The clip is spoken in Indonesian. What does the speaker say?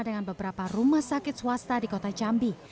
dengan beberapa rumah sakit swasta di kota jambi